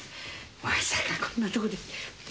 まさかこんなとこで。